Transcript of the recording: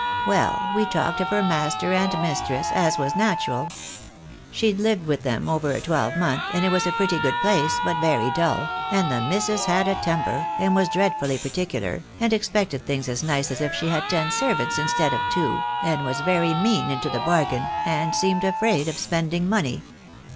Well, we talked of her master and mistress, as was natural. She'd lived with them over a twelvemonth, and it was a pretty good place, but very dull, and the missus had a temper, and was dreadfully particular, and expected things as nice as if she had ten servants in stead of two, and was very mean into the bargain, and seemed afraid of spending money.